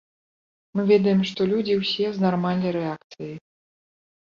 Мы ведаем, што людзі ўсе з нармальнай рэакцыяй.